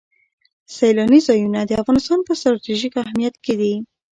سیلاني ځایونه د افغانستان په ستراتیژیک اهمیت کې دي.